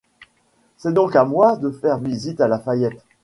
C'est donc à moi de faire visite à La Fayette !